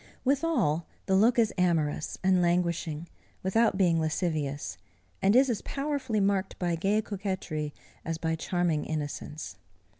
Withal, the look is amorous and languishing, without being lascivious, and is as powerfully marked by gay coquetry, as by charming innocence.